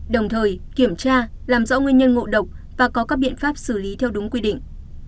đồng thời kiểm tra làm rõ nguyên nhân ngộ độc và có các biện pháp xử lý theo đúng quy định